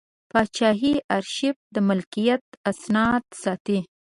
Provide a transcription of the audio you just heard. پاچاهي ارشیف د ملکیت اسناد ساتي.